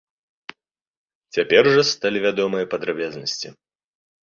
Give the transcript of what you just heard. Цяпер жа сталі вядомыя падрабязнасці.